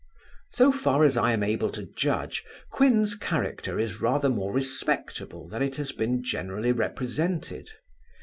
So far as I am able to judge, Quin's character is rather more respectable than it has been generally represented.